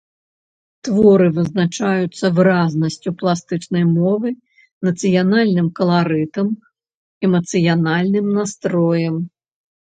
Творы вызначаюцца выразнасцю пластычнай мовы, нацыянальным каларытам, эмацыянальным настроем.